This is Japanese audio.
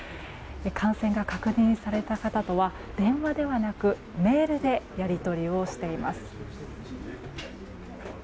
感染が確認された方とは電話ではなくメールでやり取りをしています。